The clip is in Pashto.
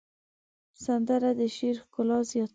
سندره د شعر ښکلا زیاتوي